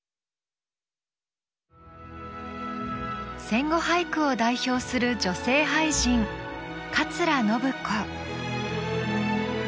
戦後俳句を代表する女性俳人桂信子。